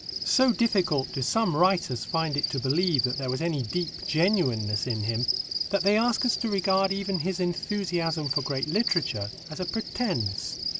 So difficult do some writers find it to believe that there was any deep genuineness in him that they ask us to regard even his enthusiasm for great literature as a pretence.